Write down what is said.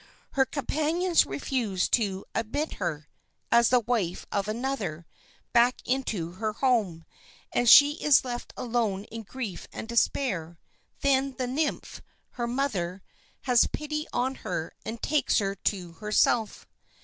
Her companions refuse to admit her, as the wife of another, back into her home, and she is left alone in grief and despair; then the nymph, her mother, has pity on her and takes her to herself.